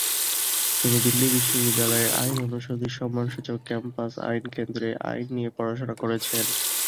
তিনি দিল্লি বিশ্ববিদ্যালয়ের আইন অনুষদের সম্মানসূচক ক্যাম্পাস আইন কেন্দ্রে আইন নিয়ে পড়াশোনা করেছেন।